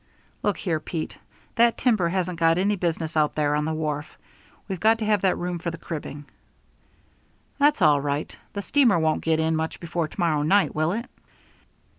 "Look here, Pete, that timber hasn't got any business out there on the wharf. We've got to have that room for the cribbing." "That's all right. The steamer won't get in much before to morrow night, will it?"